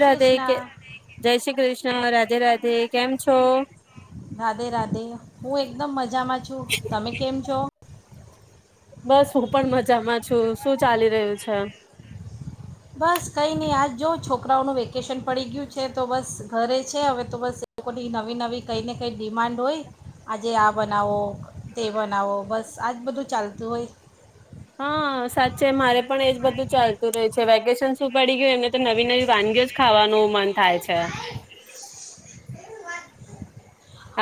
રાધે કૃષ્ણ કે જય શ્રી કૃષ્ણ રાધે રાધે કેમ છો? રાધે રાધે હું એકદમ મજામાં છું. તમે કેમ છો? બસ હું પણ મજામાં છું. શું ચાલી રહ્યું છે? બસ કંઈ નહીં આજ જો છોકરાઓનું વેકેશન પડી ગયું છે તો બસ ઘરે છે હવે તો બસ એ લોકોની નવી નવી કંઈ ને કંઈ ડિમાન્ડ હોય આજે આ બનાવો. તે બનાવો બસ આજ બધું ચાલ તું હોય. હા સાચ છે મારે પણ એજ બધું ચાલતું રહે છે વેકેશન શું પડી ગયું એમને તો નવી નવી વાનગીઓ જ ખાવાનું મન થાય છે.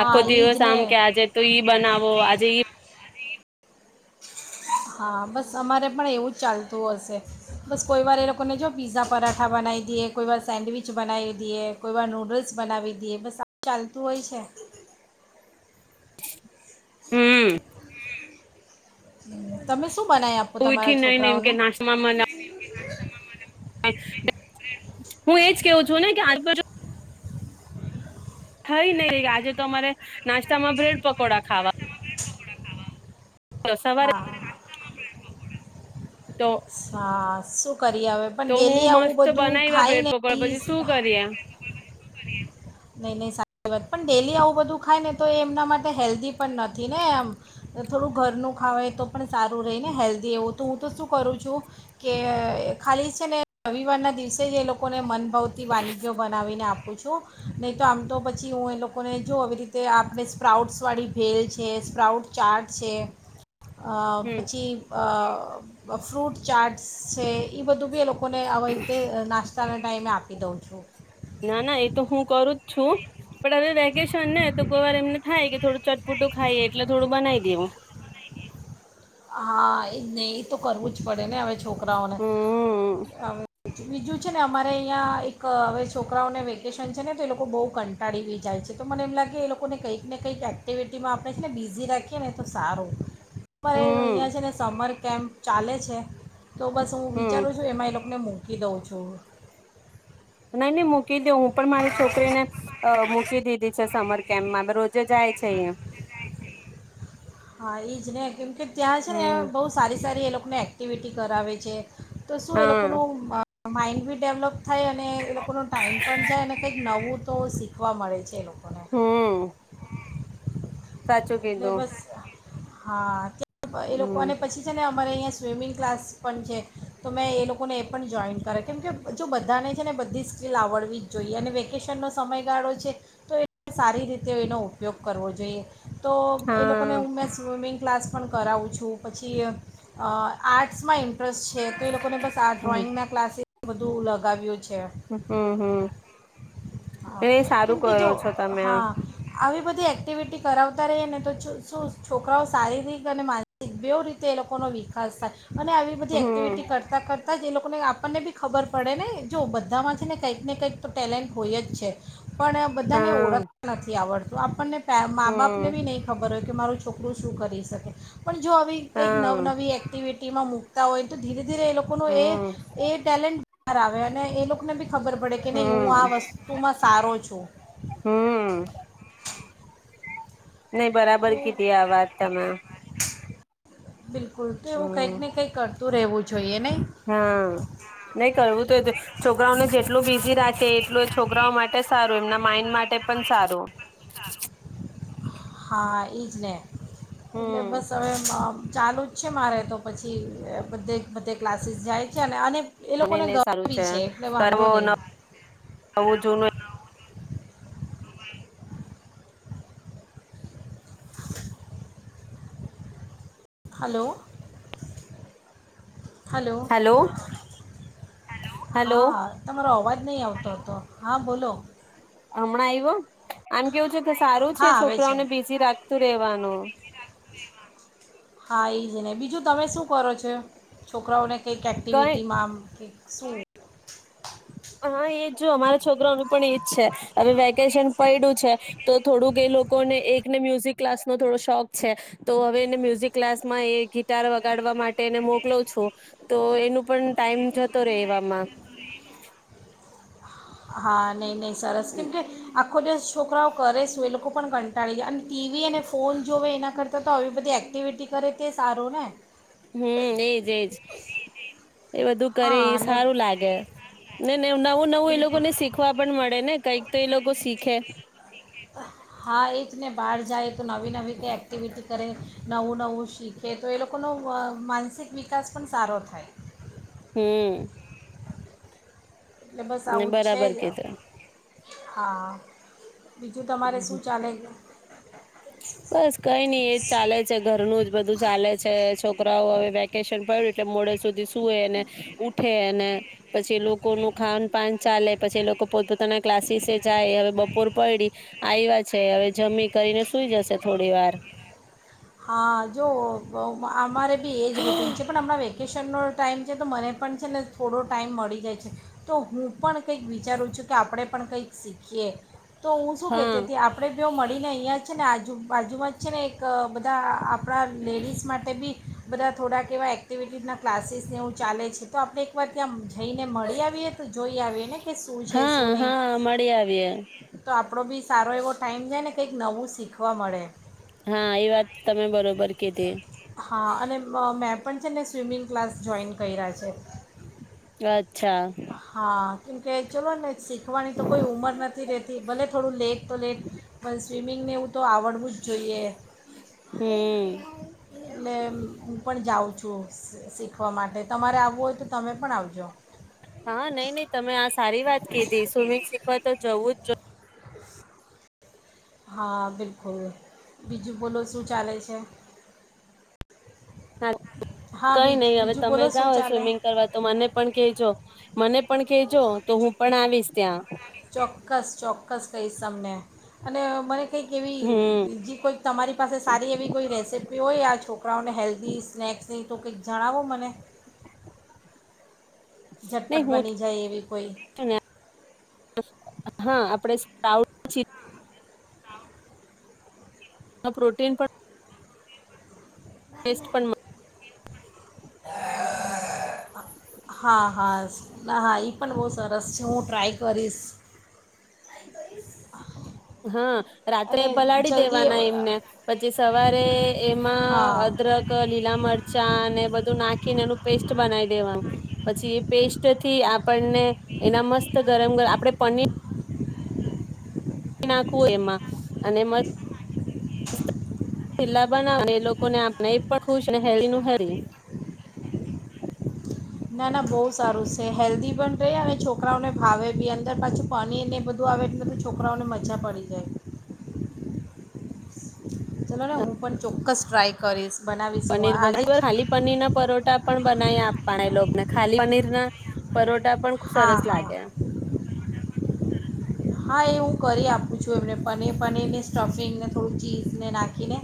આખો એ દિવસ જ ને આમ કે આજે તો ઈ બનાવો આજે ઈ હા બસ અમારે પણ એવું જ ચાલતું હશે બસ કોઈ વાર એ લોકોને જો પીઝા પરાઠા બનાવી દઈએ કોઈવાર સેન્ડવીચ બનાવી દઈએ કોઈવાર નૂડલ્સ બનાવી દઈએ બસ આ ચાલતું હોય છે. હમ તમે શું બનાવી આપો તમારા ઉઠી નઈ ને એમ છોકરાઓને. કે નાસ્તામાં મને હું એજ. કેવું છું ને કે આજુ થઈ નહ આજે તમારે નાસ્તામાં બ્રેડ પકોડા ખાવા. સવારે હા. તો સા શું કરી હવે પણ તો હું ડેલી આવું મસ્ત બધું બનાવ્યા ખાય બ્રેડ ને પકોડા બી પછી શું કરીએ? નહી નહી સારી વાત પણ ડેલી આવું બધું ખાય ને તો એ એમના માટે હેલ્ધી પણ નથી, ને એમ થોડું ઘરનું ખવા તો પણ સારું રહી ને હેલ્ધી એવું તો હું તો શું કરું છું કે ખાલી છે ને રવિવારના દિવસે જ એ લોકોને મનભાવતી વાનગીઓ બનાવીને આપું છું. તો નહીં તો આમ તો પછી હું એ લોકોને જોઉં આવી રીતે આપણે સ્પ્રાઉટ્સ વાળી ભેલ છે, સ્પ્રાઉટ ચાર્ટ છે. અ હમ પછી ફ્રૂટ ચાટ્સ છે, એ બધું બી એ લોકો એ લોકો ને આવી રીતે નાસ્તો ચાના ટાઈમે આપી દઉં છું. ના ના એ તો હું કરું જ છું પણ હવે વેકેશન ને તો કોઈ વાર એમને થાય કે થોડું ચટપટું ખાઈ એટલે થોડું બનાવી દેવું. હા એજ ને એ તો કરવું જ પડે ને હવે છોકરાઓ હમ છકરાઓને, બીજું છે ને અમારે અહીંયા ક હવે છોકરાઓને વેકેશન છે ને તો એ લોકો બહુ કંટાળી બી જાય છે તો મને એમ લાગે એ લોકોને કંઈક ને કંઈક એક્ટિવિટીમાં આપણે છે, ને બિઝી રાખીએ ને તો સારું. તમારે હમ અહિયાં છે ને સમર કેમપ ચાલે છે. તો બસ હું હમ વિચારું છું એમાં એ લોકો મે મૂકી દઉં છું. નહી નહી મૂકી દે. હું પણ મારી છોકરીને અહ મૂકી દીધી. છે સમર કેમ્પમાં અબ રોજે જાય છે એ. હા, ઈજને કેમ કે ત્યાં છે ને હમ બહુ સારી સારી એ લોક મે એક્ટિવિટી કરાવે છે. તો શું એ લોકો હા નું મા માઇન્ડ બી ડેવલપ થાય અને એ લોકોનો ટાઈમ પણ જાય અને કંઈક નવું તો શીખવા મળે છે એનું. હમ્મ. સાચું એટલે કીધું. બસ હા કે એ હમ પાય મારે અહીંયા સ્વિમિંગ ક્લાસ પણ છે તો મેં એ લોકોને એ પણ જોઈન કરે કેમ કે જો બધાને છે ને બધી સ્કિલ આવડવી જ જોઈએ અને વેકેશનનો સમયગાળો છે તો એ સારી રીતે એનો ઉપયોગ કરવો જોઈએ. તો એ લોકોને હા હું મેં સ્વિમિંગ ક્લાસ પણ કરાવું છું પછી અહ આર્ટસ માં ઈંન ટ્રસ્ટ છે તો એ લોકોને બસ આ ડ્રોઈંગના ક્લાસી બધું લગાવ્યું છે હમ્મ હમ્મ. હા કેમ કે જો તમે આ હા. આવી બધી એક્ટિવિટી કરાવતા રહીએ ને તો છુ શું છોકરાઓ શારીરિક અને માનસિક બેવ રીતે એ લોકોનો વિકાસ થાય. અને આવી બધી હમ એક્ટિવિટી કરતાં કરતાં જ એ લોકો કોને આપણને બી ખબર પડે ને જો બધામાં છે ને કંઈક ને કંઈક તો ટેલેન્ટ હોય જ. છે. પણ બધાને હા ઓળખતા નથી આવડ તો આપણને મા હમ બાપની નહીં ખબર હોય કે મારું છોકરું શું કરી શકે. પણ જો આવી કંઈક હા નવનવી એક્ટિવિટ એમાં મૂકતા હોય તો ધીરે ધીરે એ લોકોનો એ હમ એ ટેલેન્ટ બાર આવે ને એ લોક અમને બી ખબર પડે કે નહી હું આ હમ વસ્ત ઉમાં સારો છું. હમ નહી બરાબર તો કીધી આ વાત તમે. બિલકુલ તો એવું કંઈક હમ ને કંઈક કર. શું રહેવું જોઈએ નહી? હા નહી કરવું તો છોકરાઓને જેટલું બિઝી રાખે એટલું છોકરાઓ માટે સારું એમના માઈન્ડ માટે પણ સારું. હા ઈજ ને એટલે હમ બસ [inaudible] ચાલુ જ છે મારે તો પછી બધે બધે ક્લાસીસ જાય છે ને અને એ નહી લોકોને નહી ગમે સારું બી છે એટલે કર વાંધો નહીં [inaudible] નવું જૂનું.. hello. [inaudible] Hello hello hello hello હા તમારો અવાજ. નહીં આવતો હતો હા બોલો હમણાં આયવો? આમ કેવું છે કે સારું હા છે આવે છોકરાઓને બીઝી રાખ.. [inaudible] રેવાનું. હા એ જ ને બીજું તમે શું કરો છો? છોકરાઓને.. એક એક કઈ એકક્ટિવિટીમાં આમ કે [inaudible] હા એજ જો અમારા છોકરાઓનું પણ એજ છે હવે વેકેશન પયડુ છે તો થોડુંક એ લોકો ને એકને મ્યુઝિક ક્લાસ નો થોડો શોખ છે, તો હવે એને મ્યુઝિક ક્લાસમાં એ ગિટાર વગાડવા માટે તેને મોકલો છું. તો એનું પણ ટાઈમ જતો રહેે એવામાં. હા નહી, નહી સરસ ટલે કે આ આખો દિવસ છોકરાઓ કરે સું એ લોકો પણ કંટાળી જાય, અને ટીવી અને ફોન જોવે એના કરતાં તો આવી બધી એક્ટિવિટી કરે તે સારું ને. હમ્મ એજ એજ. એ બધું કરે હા એ અને સારું લાગે, ને ન નવું-નવું એ બિલકુલ લોકોને શીખવા પણ મળે ને કાઈક. તો એ લોકો સીખે. ઈજને બહાર જાય તો નવી-નવી કાઈ એક્ટિવિટી કરે નવું નવું શીખે તો એ લોકોનો મ માનસિક વિકાસ પણ સારો થાય. હમ્મ. એટલે બસ આવું છે બરાબર જ. કીધું હા બીજું તમારે હમ શું ચાલે બસ કઈ નઈ એજ ચાલે છે ઘરનું જ બધું ચાલે છે છોકરી. હવે વેકેશન પડ્યું એટલે મોડે સુધી સુએ ને ઉઠે અને પછી લોકો નું ખાન પાાન ચાલે પછી લોકો પોતપોતાના ક્લાસી જાય હવે બપોર પડી આવ્યા છે હવે જમી કરીને ઈ જશે થોડી વાર હા જો અમારે બી એજ રૂટીન છે પણ હમણાં વેકેશનનો ટાઈમ છે તો મને પણ છે ને થોડો ટાઈમ મળી જાય છે તો હું પણ કંઈક વિચારું છું કે આપણે પણ કંઈક શીખીએ તો હું શું હા કહેતી હતી આપણે બ મળીને અહીં જ છે ને આજુ બાજુમાં જ છે ને એક તો આપ આપણા લેડીઝ માટે બી બધા થોડાક એવા એક્ટિવિટીઝના ક્લાસીસને એવુ ચાલે છે તો આપણે એકવાર ત્યાં જઈને મળી આવીએ જોઈ આવીને કે શું છે હા શું નહી હા મળી આવીએ તો આપડો બી સારો એવો ટાઈમ જાય ને કંઈક નવું શીખવા મળે. હા એ વાત તમે બરોબર કીધી. હા અને મેં પણ છે ને સ્વિમિંગ ક્લાસ જોઈન કર્યા છે. [unintelligible] હા. કે ચલોને કાઈક સીખ લખવાની તો કોઈ ઉંમર નથી રહેતી, ભલે થોડું લેટ તો લેટ બસ સ્વિમિંગને એવું તો આવડવું જ જોઈએ. હમ એટલે હું પણ જાઉં છું. હું શીખવા માટે તમારે આવવું હોય તો તમે પણ આવજો. હા નહી, નહી તમે આ સારી વાત કીધી સ્વિમિંગ શીખવા તો જવું જ જો હા બિલકુલ. બીજું બોલો શું ચાલે છે? હા. હા કઈ બીજ નહી હવે બીજું તમે બોલો શું જાઓ ચાલે સ્વિમિંગ કરવા તો મને પણ કેજો. મને પણ કેજો તો હું પણ આવીશ ત્યાં. ચોક્કસ-ચોક્કસ કહીશ. તમને અને મને કેક એવી હમ બીજી કોઈક તમારી પાસે સારી એવી કોઈ રેસીપી હોય આ છોકરાઓને હેલ્ધી સ્નેક્સની તો કેક જણાવો મને. ઝટપટ નહી હું બની જાય એવી કોઈ હા આપણે [unintelligible] [unintelligible] પ્રોટીન પણ ટેસ્ટ પણ મ હા હા ના હા એ પણ બહુ સરસ છે. હું ટ્રાય કરીશ. હા. રાત્રે અને પલાડી જલ્દી દેવાના એમને પછી સવારે એમાં હા અદરક લીલા મર ચા ને બધું નાખી ને એનું પેસ્ટ બનાવી દેવાનું પછી એ પેસ્ટ થી આપણને એના મસ્ત ગરમ ગ આપડે પની નાખવું એમાં અને મ થીલા બનાવને એ લોકોને આપ એ પણ ખુશ હેરી નું હેરી. ના ના બહુ સારું છે. હેલ્ધી પણ રહે અને છોકરાઓને ભાવે બી. અંદર પાછું પનીર એ બધું આવે એટલે તો છોકરાઓને મજા પડી જાય. ચલો ને હું પણ ચોક્કસ ટ્રાય કરીશ. બનાવીશ હું પનીર બગ આજે જ [inaudible] ખાલી પનીર ના પરોટા પણ બનાવી આપવાના એ લોકો. ખાલી પનીર ના પરોટા. પણ ખુબ હા સરસ હા લાગે. હા એ હું કરી આપું છું એમને પની-પનીર ને સ્ટફિંગને, થોડું ચી ને નાખીને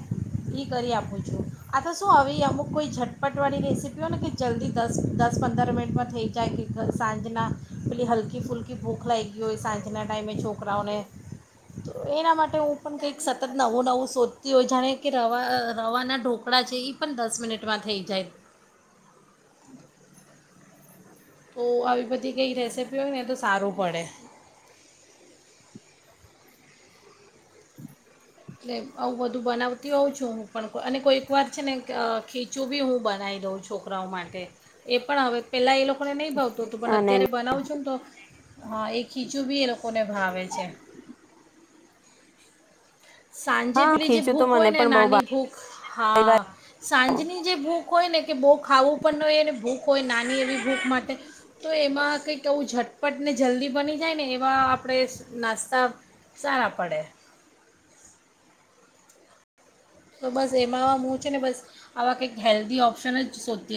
એ કરી આપું છું. આ તો શું હવે એ અમુક કોઈ ઝટપટવાળી રેસીપી હોય ને કે જલ્દી દસ દસ પંદર મિનિટમાં થઈ જાય, કે સાંજના પેલી હલકી ફૂલકી ભૂખ લાગી ગઈ હોય સાંજના ટાઈમ છોકરાઓને તો એના માટે હું પણ કંઈક સતત નવું નવું શોધતી હોય, જાણે કે રવા-રવાના ઢોકળા છે એ પણ દસ મિનિટમાં થઈ જાય. તો આવી બધી કઈ રેસીપી હોય ને તો સારું પડે. લે આવું બધું બનાવતી હોઉં છું હું પણ અને કોઈક વાર છે ને અહ ખીચું બી હું બનાઈ દઉં છોકરાઓ માટે, એ પણ હવે પેલા એ લોક આપણે નહી ભાવતુ હતું પણ અને અત્યારે બનાવું છું તો હા એ ખીચું બી એ લોકોને ભાવે છે. સાંજે હા પેલી જે ખીચું તો ભૂખ હોય મને ને પણ બહુ નાની ભાવે ભૂખ હા સાંજની જે ભૂખ હોય ને, કે બહુ ખાવું પણ હોય એને ભૂખ હોય નાની એવી ભૂખ માટે તો એમાં કંઈક એવું ઝટપટ ને જલ્દી બની જાય ને એવા આપણે નાસ્તા સારા પડે. તો બસ એમાં હું છે ને બસ આવા કંઈક હેલ્ધી ઓપ્શન જ શોધતી